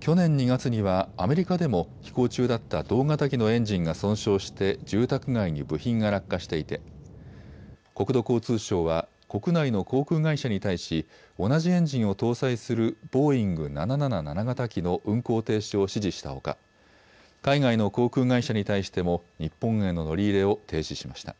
去年２月にはアメリカでも飛行中だった同型機のエンジンが損傷して住宅街に部品が落下していて国土交通省は国内の航空会社に対し同じエンジンを搭載するボーイング７７７型機の運航停止を指示したほか海外の航空会社に対しても日本への乗り入れを停止しました。